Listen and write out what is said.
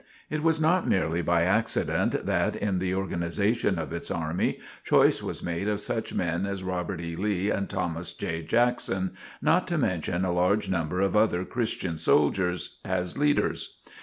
It was not merely by accident, that, in the organization of its army, choice was made of such men as Robert E. Lee and Thomas J. Jackson, not to mention a large number of other Christian soldiers, as leaders.